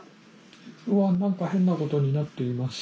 うわ何か変なことになっています。